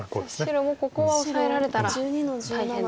白もここはオサえられたら大変と。